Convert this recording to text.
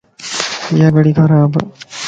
ايا گڙي خرابَ